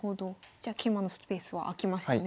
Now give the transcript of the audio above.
じゃあ桂馬のスペースは開きましたね。